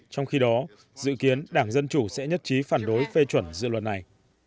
trong khi đó dự kiến đảng dân chủ sẽ nhất trí phản đối phê chuẩn dự luật này